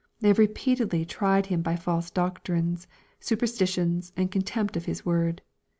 They have repeatedly tried Him by false doctrines, superstitions, and contempt of His word.